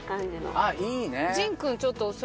あっいいね。